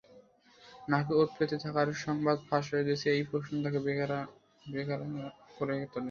নাকি ওঁৎ পেতে থাকার সংবাদ ফাঁস হয়ে গেছে এই প্রশ্ন তাকে বেকারার করে তোলে।